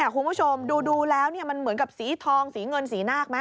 คุณผู้ชมดูแล้วมันเหมือนกับสีทองสีเงินสีนาคไหม